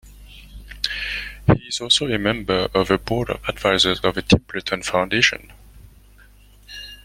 He is also a member of the Board of Advisers of the Templeton Foundation.